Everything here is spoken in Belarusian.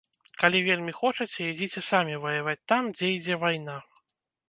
Калі вельмі хочаце, ідзіце самі ваяваць там, дзе ідзе вайна.